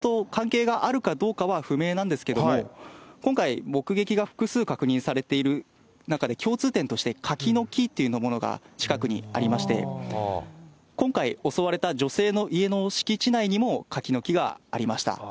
そして今回、死亡した女性と関係があるかどうかは不明なんですけども、今回、目撃が複数確認されている中で、共通点として柿の木というものが近くにありまして、今回襲われた女性の家の敷地内にも柿の木がありました。